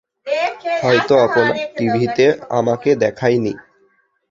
হয়তো আপনার টিভিতে আমাকে দেখায়নি।